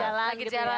jalan gitu ya